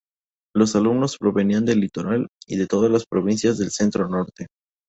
Los alumnos provenían del Litoral y de todas las provincias del centro norte.